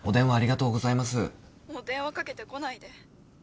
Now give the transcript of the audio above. ☎もう電話かけてこないで。